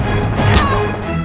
atau tentang kakaknya